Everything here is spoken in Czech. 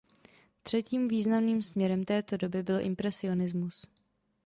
Třetím významným směrem této doby byl impresionismus.